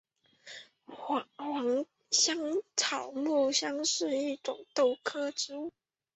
黄香草木樨是一种豆科植物。